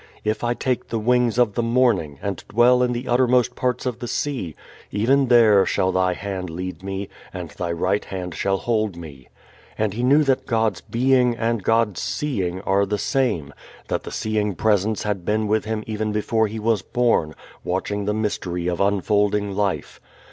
If I take the wings of the morning, and dwell in the uttermost parts of the sea; even there shall thy hand lead me, and thy right hand shall hold me." And he knew that God's being and God's seeing are the same, that the seeing Presence had been with him even before he was born, watching the mystery of unfolding life.